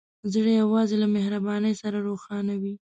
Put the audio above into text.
زړه یوازې له مهربانۍ سره روښانه وي.